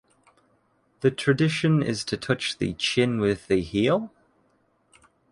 The tradition is to touch the chin with the heel?